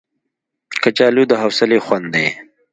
کچالو د حوصلې خوند دی